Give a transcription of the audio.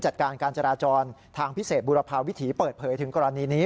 จัดการการจราจรทางพิเศษบุรพาวิถีเปิดเผยถึงกรณีนี้